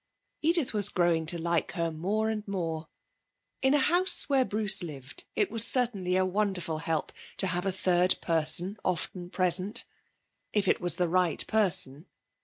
Edith was growing to like her more and more. In a house where Bruce lived it was certainly a wonderful help to have a third person often present if it was the right person.